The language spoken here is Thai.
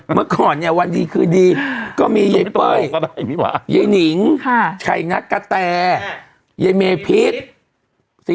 เมื่อก่อนเนี่ยวันดีคืนดีก็มีเย้เป้ยเย้หนิงชัยนักกาแตร์เย้เมภิษ